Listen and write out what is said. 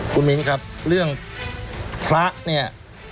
คุณมิ้นครับเรื่องพระเนี่ย